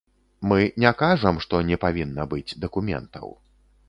Мы не кажам, што не павінна быць дакументаў.